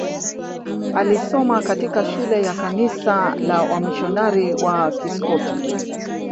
alisoma katika shule ya kanisa la wamisionari wa Kiskoti